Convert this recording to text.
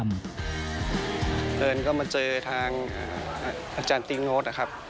เอิญก็มาเจอทางอาจารย์ติ๊งโน้ตนะครับ